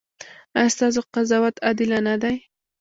ایا ستاسو قضاوت عادلانه دی؟